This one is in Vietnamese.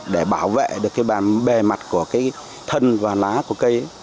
để bảo vệ được cái bề mặt của cái thân và lá của cây